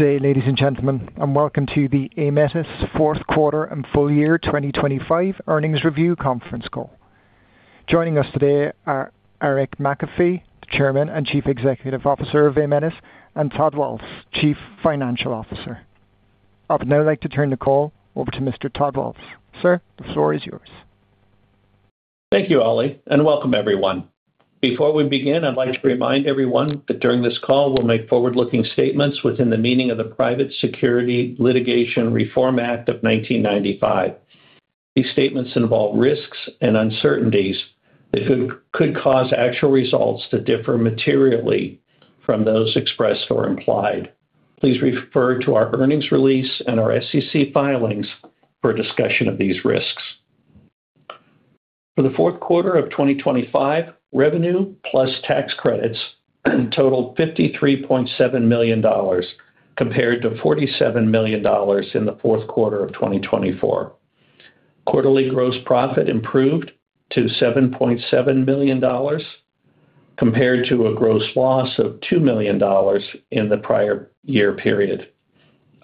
day, ladies and gentlemen, and welcome to the Aemetis fourth quarter and full year 2025 earnings review conference call. Joining us today are Eric McAfee, the Chairman and Chief Executive Officer of Aemetis, and Todd Waltz, Chief Financial Officer. I would now like to turn the call over to Mr. Todd Waltz. Sir, the floor is yours. Thank you, Ollie, and welcome everyone. Before we begin, I'd like to remind everyone that during this call we'll make forward-looking statements within the meaning of the Private Securities Litigation Reform Act of 1995. These statements involve risks and uncertainties that could cause actual results to differ materially from those expressed or implied. Please refer to our earnings release and our SEC filings for a discussion of these risks. For the fourth quarter of 2025, revenue plus tax credits totaled $53.7 million compared to $47 million in the fourth quarter of 2024. Quarterly gross profit improved to $7.7 million compared to a gross loss of $2 million in the prior year period.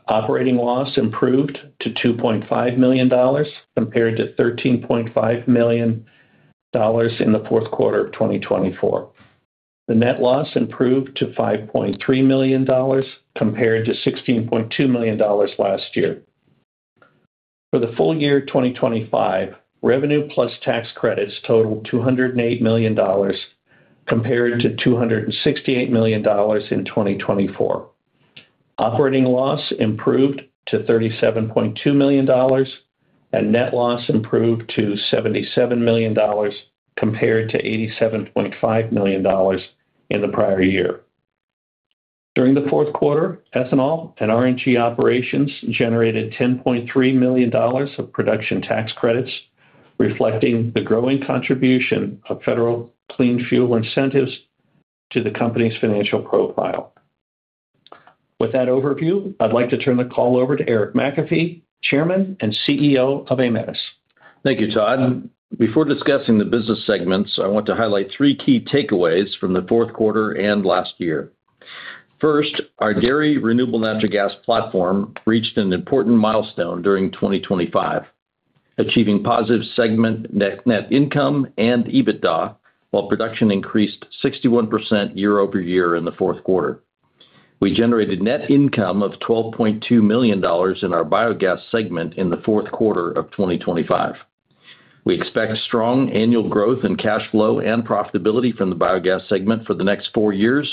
Operating loss improved to $2.5 million compared to $13.5 million in the fourth quarter of 2024. The net loss improved to $5.3 million compared to $16.2 million last year. For the full year 2025, revenue plus tax credits totaled $208 million compared to $268 million in 2024. Operating loss improved to $37.2 million, and net loss improved to $77 million compared to $87.5 million in the prior year. During the fourth quarter, ethanol and RNG operations generated $10.3 million of production tax credits, reflecting the growing contribution of federal clean fuel incentives to the company's financial profile. With that overview, I'd like to turn the call over to Eric McAfee, Chairman and CEO of Aemetis. Thank you, Todd. Before discussing the business segments, I want to highlight three key takeaways from the fourth quarter and last year. First, our dairy renewable natural gas platform reached an important milestone during 2025, achieving positive segment net income and EBITDA, while production increased 61% year-over-year in the fourth quarter. We generated net income of $12.2 million in our biogas segment in the fourth quarter of 2025. We expect strong annual growth in cash flow and profitability from the biogas segment for the next 4 years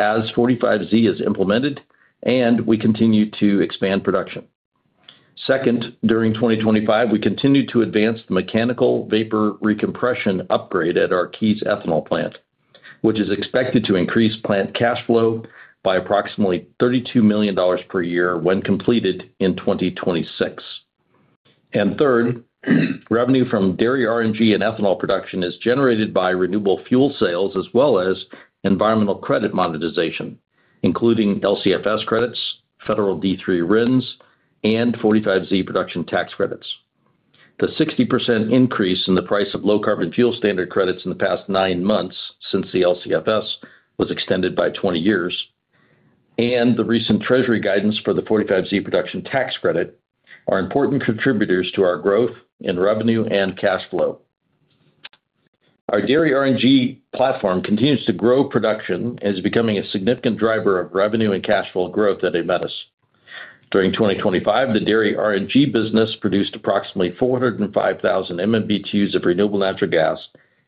as 45Z is implemented and we continue to expand production. Second, during 2025, we continued to advance the mechanical vapor recompression upgrade at our Keyes ethanol plant, which is expected to increase plant cash flow by approximately $32 million per year when completed in 2026. Third, revenue from dairy RNG and ethanol production is generated by renewable fuel sales as well as environmental credit monetization, including LCFS credits, federal D3 RINs, and 45Z production tax credits. The 60% increase in the price of low carbon fuel standard credits in the past nine months since the LCFS was extended by 20 years, and the recent Treasury guidance for the 45Z production tax credit are important contributors to our growth in revenue and cash flow. Our dairy RNG platform continues to grow production and is becoming a significant driver of revenue and cash flow growth at Aemetis. During 2025, the dairy RNG business produced approximately 405,000 MMBtus of renewable natural gas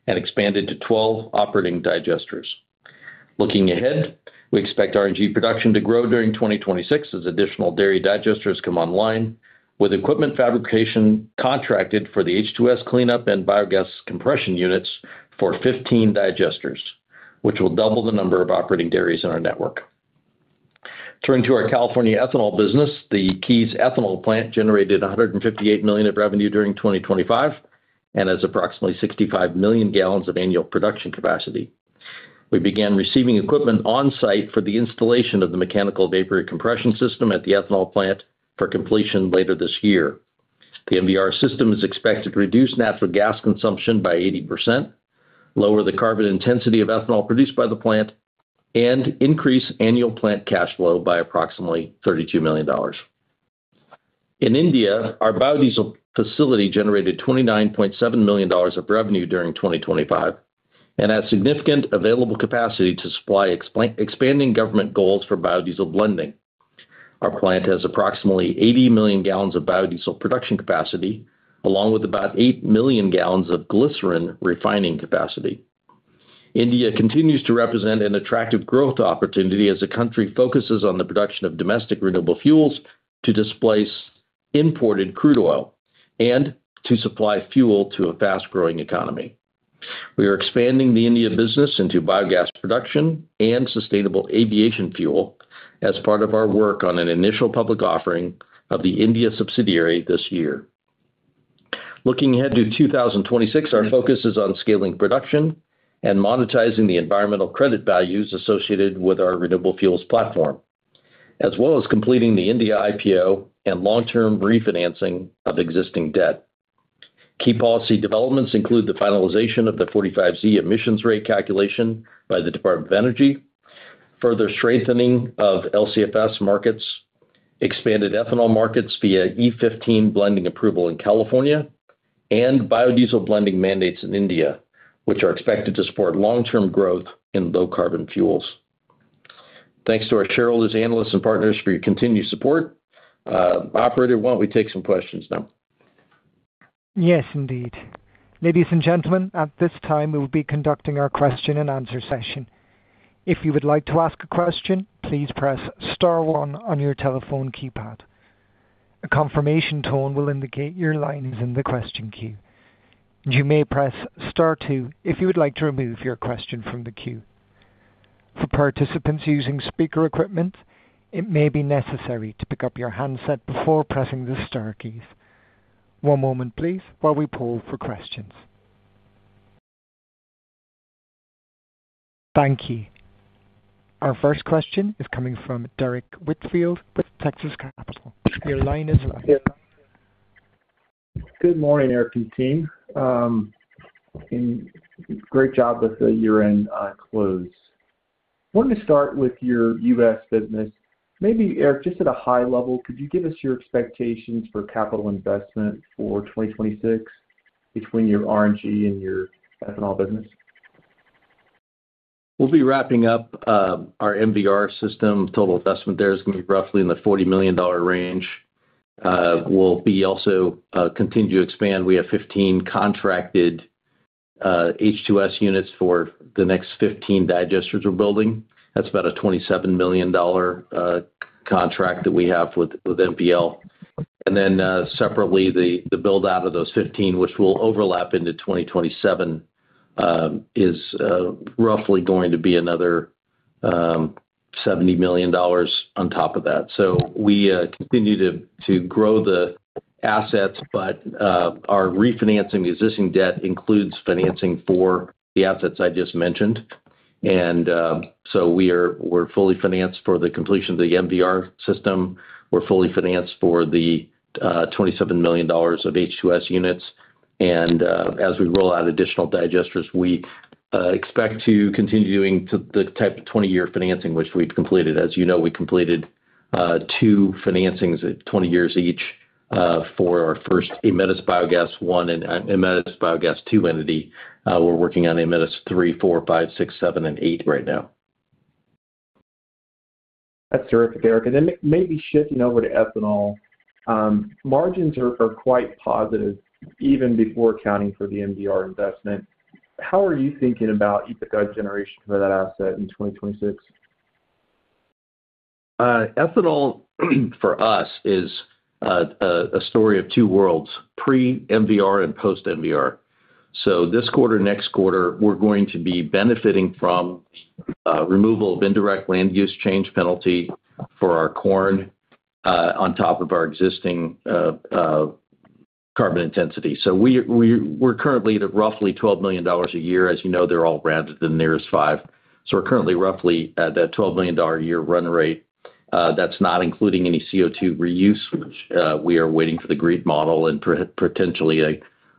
and expanded to 12 operating digesters. Looking ahead, we expect RNG production to grow during 2026 as additional dairy digesters come online with equipment fabrication contracted for the H2S cleanup and biogas compression units for 15 digesters, which will double the number of operating dairies in our network. Turning to our California ethanol business, the Keyes ethanol plant generated $158 million of revenue during 2025 and has approximately 65 million gallons of annual production capacity. We began receiving equipment on site for the installation of the mechanical vapor recompression system at the ethanol plant for completion later this year. The MVR system is expected to reduce natural gas consumption by 80%, lower the carbon intensity of ethanol produced by the plant, and increase annual plant cash flow by approximately $32 million. In India, our biodiesel facility generated $29.7 million of revenue during 2025 and has significant available capacity to supply expanding government goals for biodiesel blending. Our plant has approximately 80 million gallons of biodiesel production capacity, along with about 8 million gallons of glycerin refining capacity. India continues to represent an attractive growth opportunity as the country focuses on the production of domestic renewable fuels to displace imported crude oil and to supply fuel to a fast-growing economy. We are expanding the India business into biogas production and sustainable aviation fuel as part of our work on an initial public offering of the India subsidiary this year. Looking ahead to 2026, our focus is on scaling production and monetizing the environmental credit values associated with our renewable fuels platform, as well as completing the India IPO and long-term refinancing of existing debt. Key policy developments include the finalization of the 45Z emissions rate calculation by the Department of Energy, further strengthening of LCFS markets, expanded ethanol markets via E15 blending approval in California, and biodiesel blending mandates in India, which are expected to support long-term growth in low carbon fuels. Thanks to our shareholders, analysts, and partners for your continued support. Operator, why don't we take some questions now? Yes, indeed. Ladies and gentlemen, at this time, we will be conducting our question-and-answer session. If you would like to ask a question, please press star one on your telephone keypad. A confirmation tone will indicate your line is in the question queue. You may press star two if you would like to remove your question from the queue. For participants using speaker equipment, it may be necessary to pick up your handset before pressing the star keys. One moment please while we poll for questions. Thank you. Our first question is coming from Derrick Whitfield with Texas Capital. Your line is live. Good morning, Eric and team. Great job with the year-end close. Wanted to start with your U.S. business. Maybe, Eric, just at a high level, could you give us your expectations for capital investment for 2026 between your RNG and your ethanol business? We'll be wrapping up our MVR system. Total investment there is gonna be roughly in the $40 million range. We'll also continue to expand. We have 15 contracted H2S units for the next 15 digesters we're building. That's about a $27 million contract that we have with NPL. Separately, the build-out of those 15, which will overlap into 2027, is roughly going to be another $70 million on top of that. We continue to grow the assets. Our refinancing the existing debt includes financing for the assets I just mentioned. We're fully financed for the completion of the MVR system. We're fully financed for the $27 million of H2S units. As we roll out additional digesters, we expect to continue doing the type of 20-year financing which we've completed. As you know, we completed two financings at 20 years each for our first Aemetis Biogas One and Aemetis Biogas Two entity. We're working on Aemetis Three, Four, Five, Six, Seven, and Eight right now. That's terrific, Eric. Then maybe shifting over to ethanol. Margins are quite positive even before accounting for the MVR investment. How are you thinking about EBITDA generation for that asset in 2026? Ethanol, for us is a story of two worlds, pre-MVR and post-MVR. This quarter, next quarter, we're going to be benefiting from removal of indirect land use change penalty for our corn on top of our existing carbon intensity. We're currently at roughly $12 million a year. As you know, they're all rounded to the nearest five. We're currently roughly at that $12 million a year run rate. That's not including any CO2 reuse, which we are waiting for the GREET model and potentially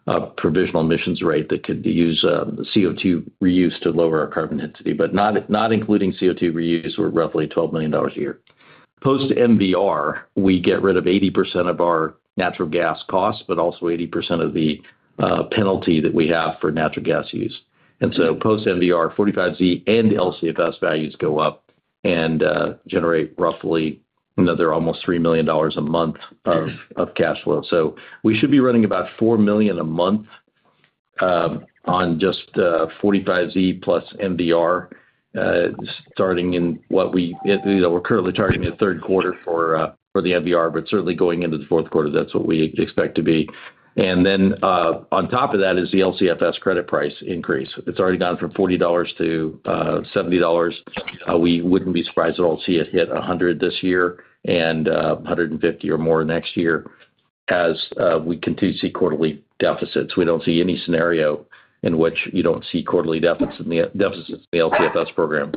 a Provisional Emissions Rate that could use CO2 reuse to lower our carbon intensity. Not including CO2 reuse, we're roughly $12 million a year. Post-MVR, we get rid of 80% of our natural gas costs, but also 80% of the penalty that we have for natural gas use. Post-MVR, Section 45Z and LCFS values go up and generate roughly another almost $3 million a month of cash flow. We should be running about $4 million a month on just Section 45Z plus MVR, starting in, you know, we're currently targeting the third quarter for the MVR, but certainly going into the fourth quarter, that's what we expect to be. On top of that is the LCFS credit price increase. It's already gone from $40 to $70. We wouldn't be surprised at all to see it hit 100 this year and 150 or more next year as we continue to see quarterly deficits. We don't see any scenario in which you don't see quarterly deficits in the LCFS program.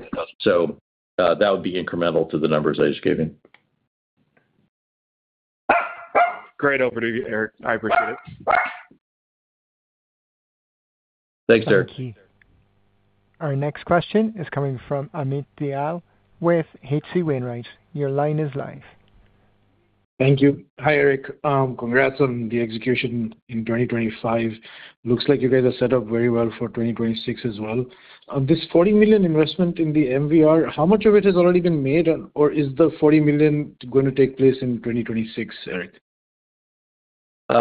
That would be incremental to the numbers I just gave you. Great overview, Eric. I appreciate it. Thanks, Derrick. Thank you. Our next question is coming from Amit Dayal with H.C. Wainwright. Your line is live. Thank you. Hi, Eric. Congrats on the execution in 2025. Looks like you guys are set up very well for 2026 as well. This $40 million investment in the MVR, how much of it has already been made? Or is the $40 million going to take place in 2026, Eric?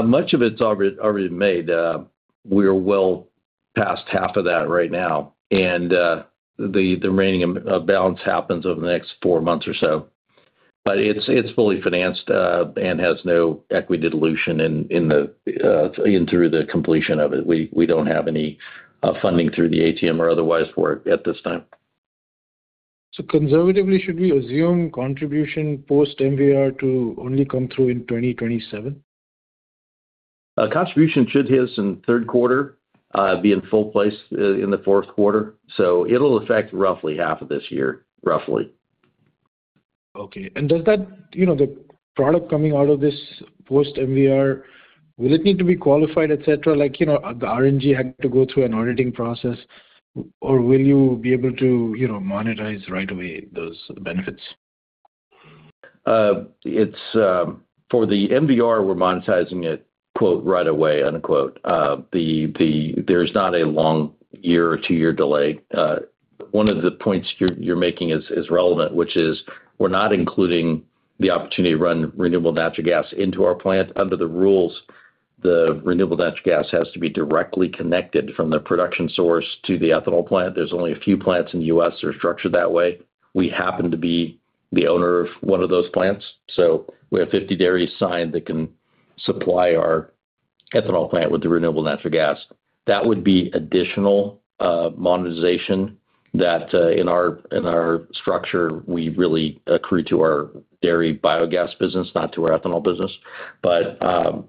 Much of it's already made. We are well past half of that right now. The remaining balance happens over the next four months or so. It's fully financed and has no equity dilution through the completion of it. We don't have any funding through the ATM or otherwise for it at this time. Conservatively, should we assume contribution post-MVR to only come through in 2027? Contribution should hit us in third quarter, be in full place in the fourth quarter. It'll affect roughly half of this year, roughly. Okay. Does that, you know, the product coming out of this post MVR, will it need to be qualified, et cetera, like, you know, the RNG had to go through an auditing process? Or will you be able to, you know, monetize right away those benefits? It's for the MVR, we're monetizing it, "right away." There's not a long one-year or two-year delay. One of the points you're making is relevant, which is we're not including the opportunity to run renewable natural gas into our plant. Under the rules, the renewable natural gas has to be directly connected from the production source to the ethanol plant. There's only a few plants in the U.S. that are structured that way. We happen to be the owner of one of those plants. We have 50 dairies signed that can supply our ethanol plant with the renewable natural gas. That would be additional monetization that in our structure we really accrue to our dairy biogas business, not to our ethanol business.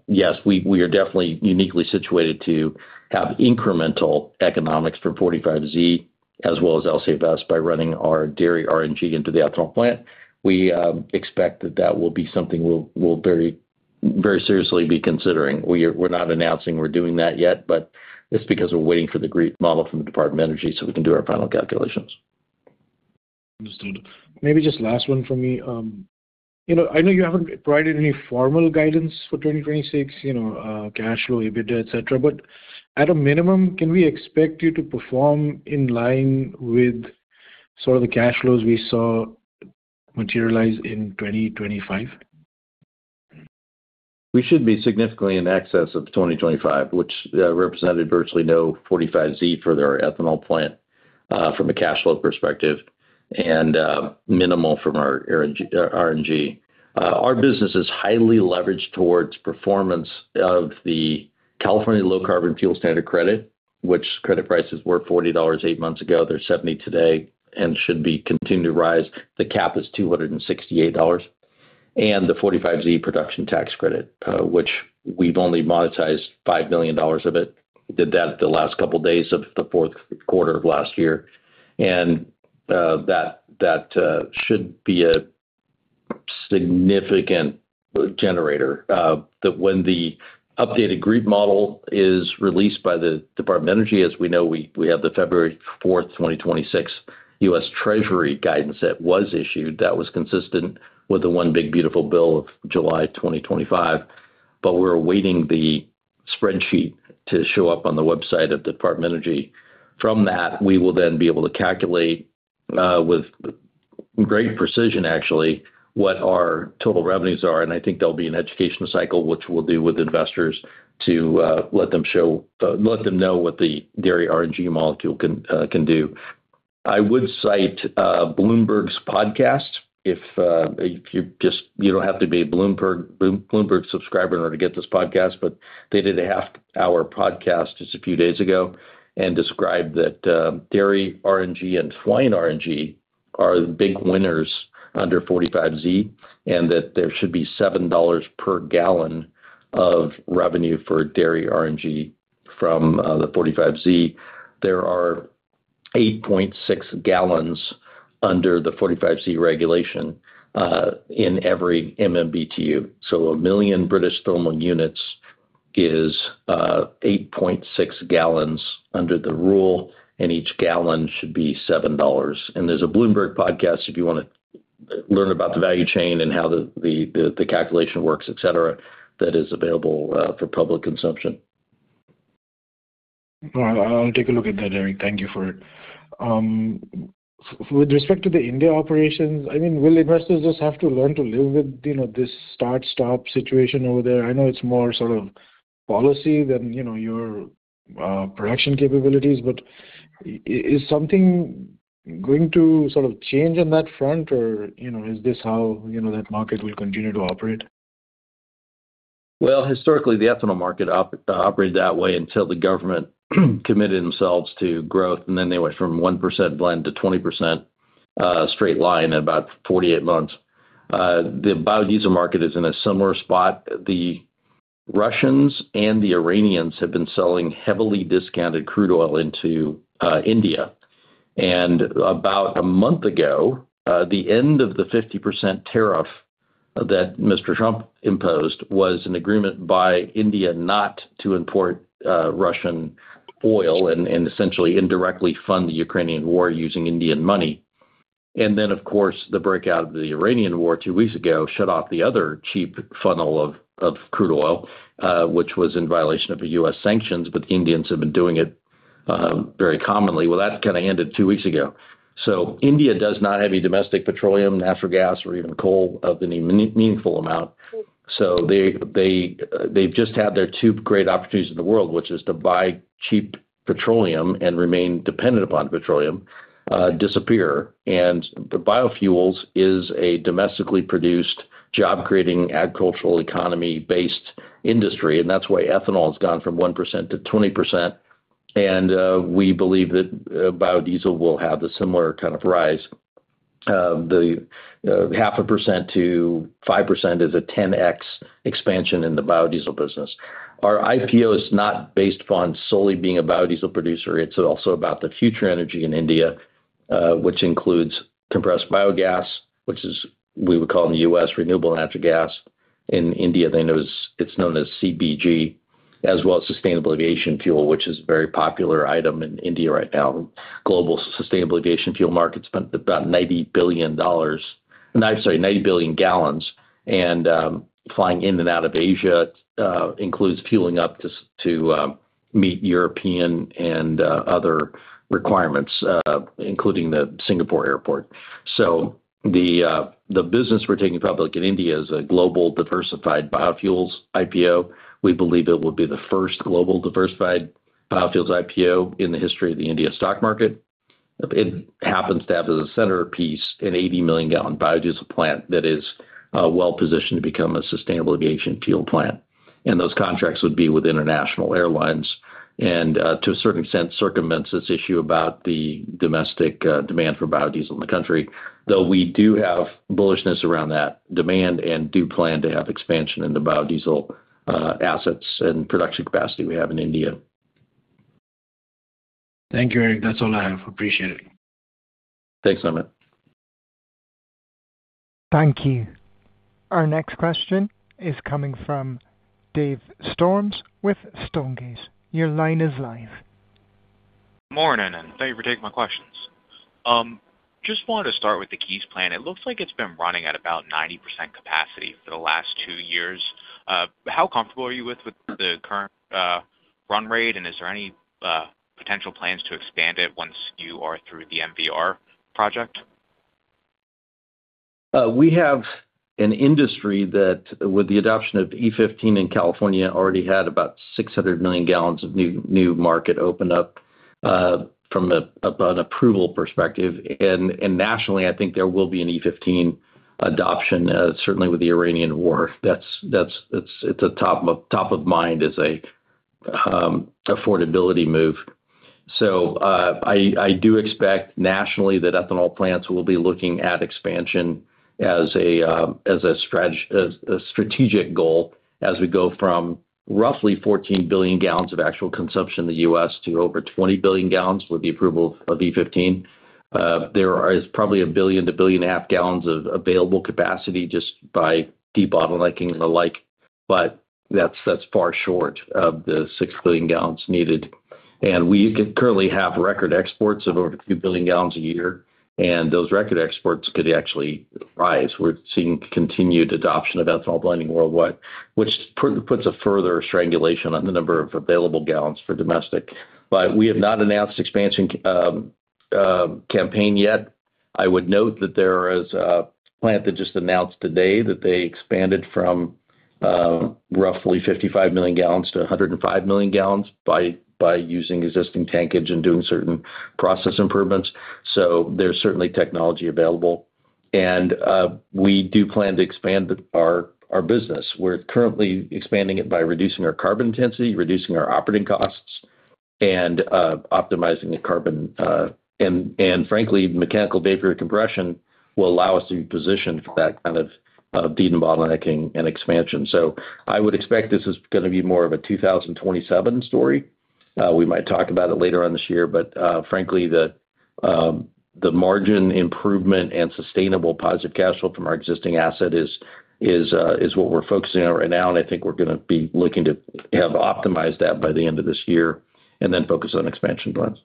Yes, we are definitely uniquely situated to have incremental economics from 45Z as well as LCFS by running our dairy RNG into the ethanol plant. We expect that will be something we'll very, very seriously be considering. We're not announcing we're doing that yet, but it's because we're waiting for the GREET model from the Department of Energy so we can do our final calculations. Understood. Maybe just last one for me. You know, I know you haven't provided any formal guidance for 2026, you know, cash flow, EBITDA, et cetera. At a minimum, can we expect you to perform in line with sort of the cash flows we saw materialize in 2025? We should be significantly in excess of 2025, which represented virtually no 45Z for their ethanol plant from a cash flow perspective, and minimal from our RNG. Our business is highly leveraged towards performance of the California Low Carbon Fuel Standard credit, which credit prices were $40 eight months ago. They're $70 today and should be continuing to rise. The cap is $268. The 45Z production tax credit, which we've only monetized $5 million of it. Did that the last couple of days of the fourth quarter of last year. That should be a significant generator. That when the updated GREET model is released by the U.S. Department of Energy, as we know, we have the February 4, 2026 U.S. Treasury guidance that was issued. That was consistent with the Inflation Reduction Bill Act of July 2025. We're awaiting the spreadsheet to show up on the website of U.S. Department of Energy. From that, we will then be able to calculate, with great precision, actually, what our total revenues are, and I think there'll be an educational cycle which we'll do with investors to let them know what the dairy RNG molecule can do. I would cite Bloomberg's podcast if you don't have to be a Bloomberg subscriber in order to get this podcast. They did a half-hour podcast just a few days ago and described that dairy RNG and swine RNG are the big winners under 45Z, and that there should be $7 per gallon of revenue for dairy RNG from the 45Z. There are 8.6 gallons under the 45Z regulation in every MMBTU. A million British thermal units is 8.6 gallons under the rule, and each gallon should be $7. There's a Bloomberg podcast if you wanna learn about the value chain and how the calculation works, et cetera, that is available for public consumption. I'll take a look at that, Derrick. Thank you for it. With respect to the India operations, I mean, will investors just have to learn to live with, you know, this start-stop situation over there? I know it's more sort of policy than, you know, your production capabilities, but is something going to sort of change on that front or, you know, is this how, you know, that market will continue to operate? Well, historically, the ethanol market operated that way until the government committed themselves to growth, and then they went from 1% blend to 20%, straight line in about 48 months. The biodiesel market is in a similar spot. The Russians and the Iranians have been selling heavily discounted crude oil into India. About a month ago, the end of the 50% tariff that Mr. Trump imposed was an agreement by India not to import Russian oil and essentially indirectly fund the Ukrainian war using Indian money. Then, of course, the breakout of the Iranian war 2 weeks ago shut off the other cheap funnel of crude oil, which was in violation of the U.S. sanctions, but the Indians have been doing it very commonly. Well, that kind of ended 2 weeks ago. India does not have any domestic petroleum, natural gas or even coal of any meaningful amount. They've just had their two great opportunities in the world, which is to buy cheap petroleum and remain dependent upon petroleum, disappear. The biofuels is a domestically produced job-creating, agricultural economy-based industry, and that's why ethanol has gone from 1%-20%. We believe that biodiesel will have a similar kind of rise. The 0.5%-5% is a 10x expansion in the biodiesel business. Our IPO is not based upon solely being a biodiesel producer. It's also about the future energy in India, which includes compressed biogas, which is we would call in the US renewable natural gas. In India, it's known as CBG, as well as sustainable aviation fuel, which is a very popular item in India right now. Global sustainable aviation fuel market is about 90 billion gallons. Flying in and out of Asia includes fueling up to meet European and other requirements, including the Singapore Airport. The business we're taking public in India is a global diversified biofuels IPO. We believe it will be the first global diversified biofuels IPO in the history of the India stock market. It happens to have as a centerpiece an 80-million-gallon biodiesel plant that is well-positioned to become a sustainable aviation fuel plant. Those contracts would be with International Airlines and, to a certain extent, circumvents this issue about the domestic demand for biodiesel in the country. Though we do have bullishness around that demand and do plan to have expansion in the biodiesel assets and production capacity we have in India. Thank you, Eric. That's all I have. Appreciate it. Thanks, Amit. Thank you. Our next question is coming from Dave Storms with Stonegate. Your line is live. Morning. Thank you for taking my questions. Just wanted to start with the Keyes plant. It looks like it's been running at about 90% capacity for the last two years. How comfortable are you with the current run rate? Is there any potential plans to expand it once you are through the MVR project? We have an industry that, with the adoption of E15 in California, already had about 600 million gallons of new market open up from an approval perspective. Nationally, I think there will be an E15 adoption, certainly with the Iranian war. That's top of mind as an affordability move. I do expect nationally that ethanol plants will be looking at expansion as a strategic goal as we go from roughly 14 billion gallons of actual consumption in the U.S. to over 20 billion gallons with the approval of E15. There is probably 1 billion to 1.5 billion gallons of available capacity just by debottlenecking and the like, but that's far short of the 6 billion gallons needed. We currently have record exports of over 2 billion gallons a year, and those record exports could actually rise. We're seeing continued adoption of ethanol blending worldwide, which puts a further strangulation on the number of available gallons for domestic. We have not announced expansion campaign yet. I would note that there is a plant that just announced today that they expanded from roughly 55 million gallons to 105 million gallons by using existing tankage and doing certain process improvements. There's certainly technology available. We do plan to expand our business. We're currently expanding it by reducing our carbon intensity, reducing our operating costs, and optimizing the carbon, and frankly, mechanical vapor recompression will allow us to be positioned for that kind of debottlenecking and expansion. I would expect this is gonna be more of a 2027 story. We might talk about it later on this year, but frankly, the margin improvement and sustainable positive cash flow from our existing asset is what we're focusing on right now, and I think we're gonna be looking to have optimized that by the end of this year and then focus on expansion plans.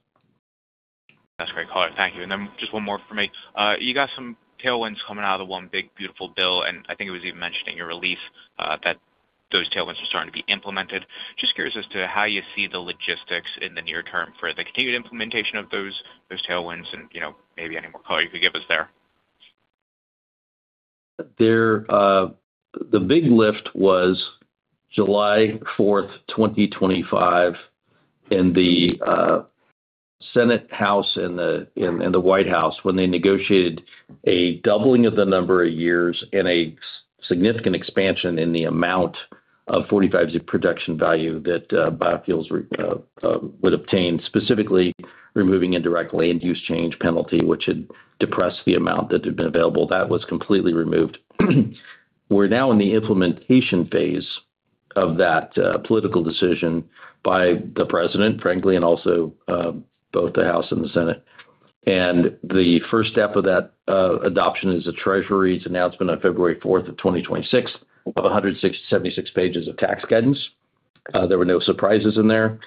That's a great call. Thank you. Just one more for me. You got some tailwinds coming out of the Inflation Reduction Bill Act, and I think it was even mentioned in your release, that those tailwinds are starting to be implemented. Just curious as to how you see the logistics in the near term for the continued implementation of those tailwinds and, you know, maybe any more color you could give us there. There, the big lift was July 4, 2025, in the Senate, House and the White House when they negotiated a doubling of the number of years and a significant expansion in the amount of 45Z production value that biofuels would obtain, specifically removing indirect land use change penalty, which had depressed the amount that had been available. That was completely removed. We're now in the implementation phase of that political decision by the president, frankly, and also both the House and the Senate. The first step of that adoption is the Treasury's announcement on February 4, 2026, of 176 pages of tax guidance. There were no surprises in there.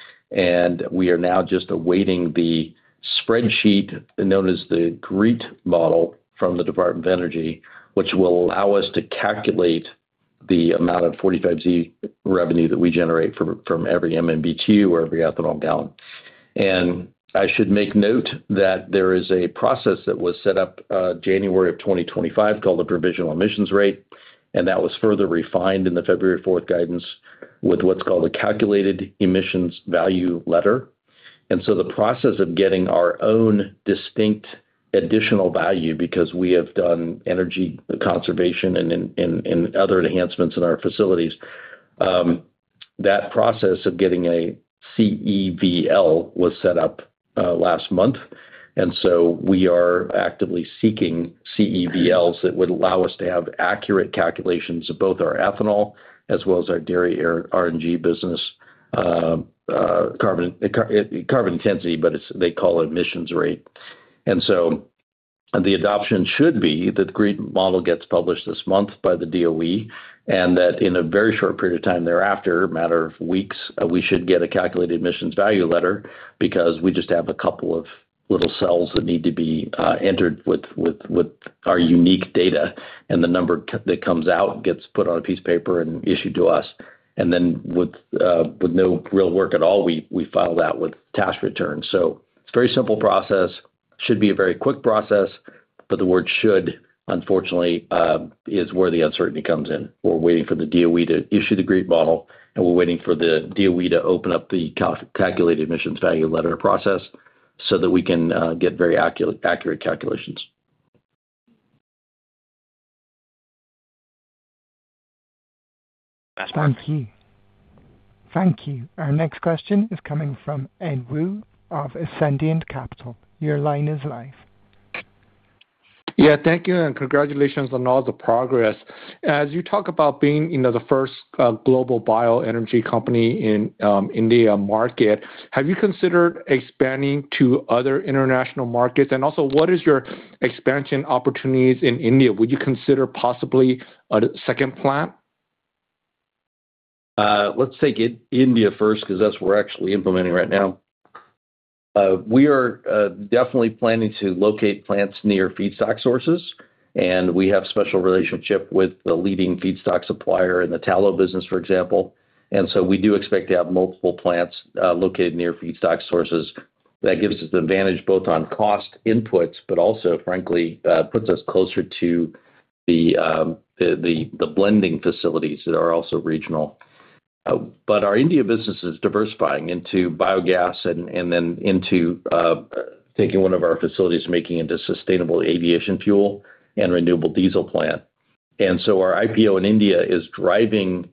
We are now just awaiting the spreadsheet, known as the GREET model from the Department of Energy, which will allow us to calculate the amount of 45Z revenue that we generate from every MMBTU or every ethanol gallon. I should make note that there is a process that was set up January of 2025, called the Provisional Emissions Rate, and that was further refined in the February 4 guidance with what's called a Calculated Emissions Value Letter. The process of getting our own distinct additional value because we have done energy conservation and other enhancements in our facilities, that process of getting a CEVL was set up last month. We are actively seeking CEVLs that would allow us to have accurate calculations of both our ethanol as well as our dairy RNG business. Carbon intensity, but it's, they call it emissions rate. The adoption should be that the GREET model gets published this month by the DOE, and that in a very short period of time thereafter, matter of weeks, we should get a calculated emissions value letter because we just have a couple of little cells that need to be entered with our unique data and the number that comes out gets put on a piece of paper and issued to us. With no real work at all, we file that with tax returns. It's a very simple process. Should be a very quick process, but the word should, unfortunately, is where the uncertainty comes in. We're waiting for the DOE to issue the GREET model, and we're waiting for the DOE to open up the calculated emissions value letter process so that we can get very accurate calculations. Thank you. Our next question is coming from Edward Woo of Ascendiant Capital Markets. Your line is live. Yeah, thank you, and congratulations on all the progress. As you talk about being, you know, the first global bioenergy company in India market, have you considered expanding to other international markets? Also, what is your expansion opportunities in India? Would you consider possibly a second plant? Let's take India first because that's where we're actually implementing right now. We are definitely planning to locate plants near feedstock sources, and we have special relationship with the leading feedstock supplier in the tallow business, for example. We do expect to have multiple plants located near feedstock sources. That gives us an advantage both on cost inputs, but also frankly puts us closer to the blending facilities that are also regional. Our India business is diversifying into biogas and then into taking one of our facilities, making it into sustainable aviation fuel and renewable diesel plant. Our IPO in India is driving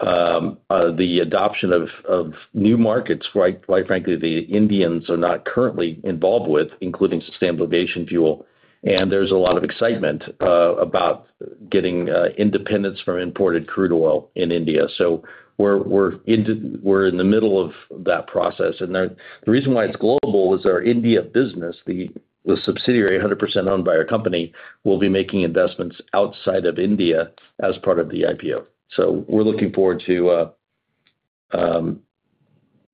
the adoption of new markets, quite frankly, the Indians are not currently involved with, including sustainable aviation fuel. There's a lot of excitement about getting independence from imported crude oil in India. We're in the middle of that process. The reason why it's global is our India business, the subsidiary, 100% owned by our company, will be making investments outside of India as part of the IPO. We're looking forward to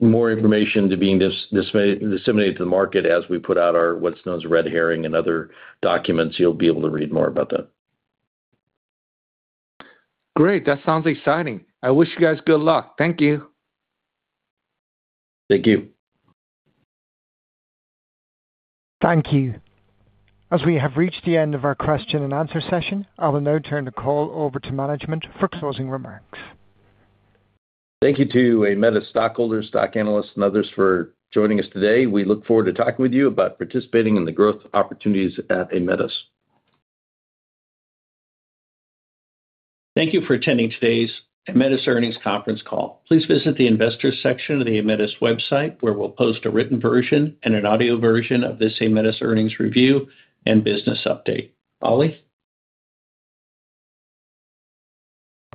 more information being disseminated to the market as we put out our what's known as red herring and other documents. You'll be able to read more about that. Great. That sounds exciting. I wish you guys good luck. Thank you. Thank you. Thank you. As we have reached the end of our question and answer session, I will now turn the call over to management for closing remarks. Thank you to Aemetis stockholders, stock analysts and others for joining us today. We look forward to talking with you about participating in the growth opportunities at Aemetis. Thank you for attending today's Aemetis earnings conference call. Please visit the investors section of the Aemetis website, where we'll post a written version and an audio version of this Aemetis earnings review and business update. Ollie?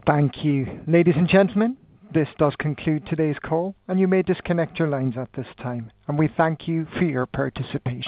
Thank you. Ladies and gentlemen, this does conclude today's call, and you may disconnect your lines at this time. We thank you for your participation.